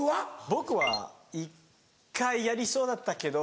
僕は１回やりそうだったけど。